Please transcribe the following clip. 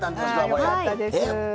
よかったです。